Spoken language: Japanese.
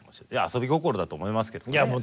いや遊び心だと思いますけどね。